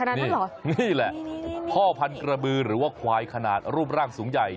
ขนาดนั้นเหรอนี่แหละพ่อพันธุ์กระบือหรือว่าควายขนาดรูปร่างสูงใหญ่